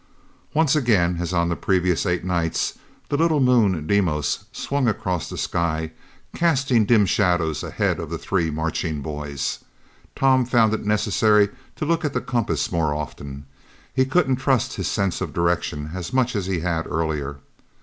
Once again, as on the previous eight nights, the little moon, Deimos, swung across the sky, casting dim shadows ahead of the three marching boys. Tom found it necessary to look at the compass more often. He couldn't trust his sense of direction as much as he had earlier.